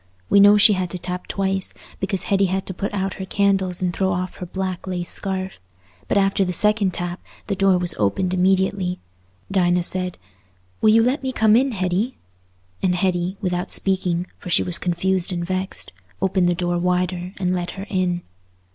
We know she had to tap twice, because Hetty had to put out her candles and throw off her black lace scarf; but after the second tap the door was opened immediately. Dinah said, "Will you let me come in, Hetty?" and Hetty, without speaking, for she was confused and vexed, opened the door wider and let her in.